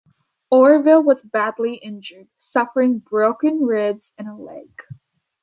Orville was badly injured, suffering broken ribs and a leg.